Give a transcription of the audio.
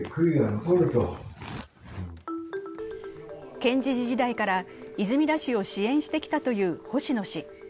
県知事時代から泉田氏を支援してきたという星野氏。